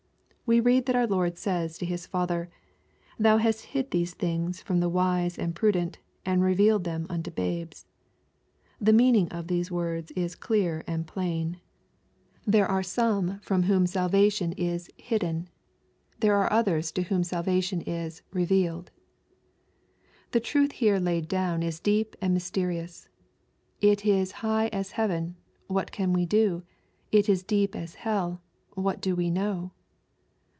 We read that our Lord says to His Father, " Thou hast hid these things from the wise and prudent, and revealed them unto babes." The meaning of these words is clear and plain. There are some from LUKE^ CHAP. X. 865 whom salvation is " hidden/' There are others to whom salvation is " revealed." The truth here laid down is deep and mysterious. " It is high as heaven : what can we do ? It is deep as hell : what do we know